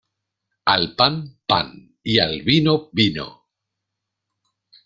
Al pan, pan y al vino, vino.